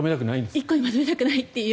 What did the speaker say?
１個にまとめたくないんですね。